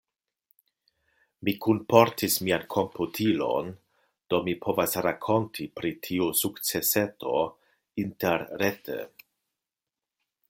Mi kunportis mian komputilon, do mi povas rakonti pri tiu sukceseto interrete.